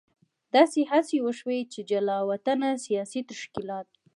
داسې هڅې وشوې چې جلا وطنه سیاسي تشکیلات.